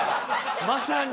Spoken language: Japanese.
まさに！